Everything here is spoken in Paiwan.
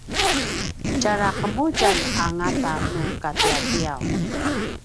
tjara qemudjalj a ngata nu katiatiaw